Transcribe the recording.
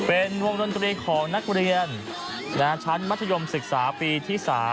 เป็นวงดนตรีของนักเรียนชั้นมัธยมศึกษาปีที่๓